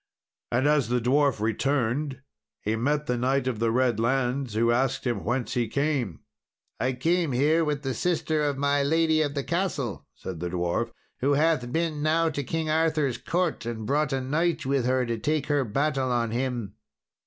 And as the dwarf returned, he met the Knight of the Redlands, who asked him whence he came. "I came here with the sister of my lady of the castle," said the dwarf, "who hath been now to King Arthur's court and brought a knight with her to take her battle on him."